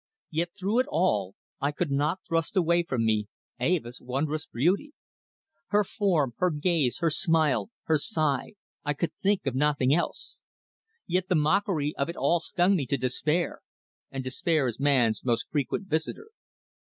Yet through it all I could not thrust away from me Eva's wondrous beauty. Her form, her gaze, her smile, her sigh I could think of nothing else. Yet the mockery of it all stung me to despair, and despair is man's most frequent visitor.